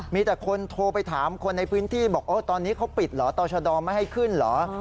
มีแต่คนโทรไปถามคนในพื้นที่บอกตอนนี้เขาปิดเหรอต่อชะดอไม่ให้ขึ้นเหรอ